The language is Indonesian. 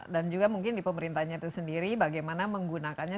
dan juga mungkin di pemerintahnya itu sendiri bagaimana menggunakannya